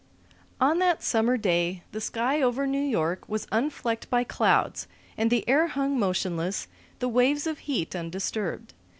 On that summer day the sky over New York was unflecked by clouds, and the air hung motionless, the waves of heat undisturbed.